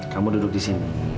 kamu duduk di sini